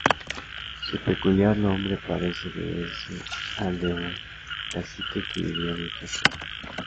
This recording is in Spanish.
Su peculiar nombre parece deberse al de un cacique que vivía en esta zona.